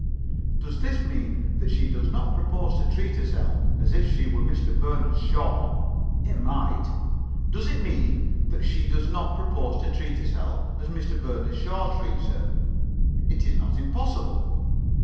Does this mean that she does not propose to treat herself as if she were Mr. Bernard Shaw? It might. Does it mean that she does not propose to treat herself as Mr. Bernard Shaw treats her? It is not impossible.